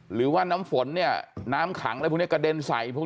หรือว่าน้ำฝนเนี่ยน้ำขังอะไรพวกนี้กระเด็นใส่พวก